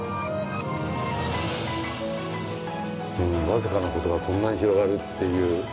わずかな事がこんなに広がるっていう。